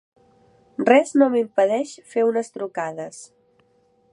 Res no m'impedeix fer unes trucades.